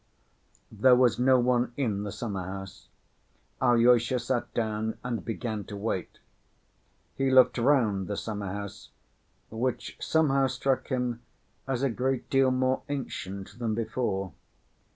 There was no one in the summer‐house. Alyosha sat down and began to wait. He looked round the summer‐house, which somehow struck him as a great deal more ancient than before.